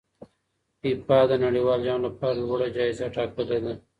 فیفا د نړیوال جام لپاره لوړه جایزه ټاکلې ده.